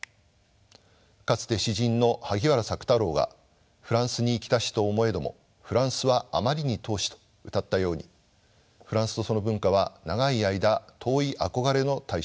かつて詩人の萩原朔太郎が「ふらんすに行きたしと思へどもふらんすはあまりに遠し」とうたったようにフランスとその文化は長い間遠い憧れの対象でした。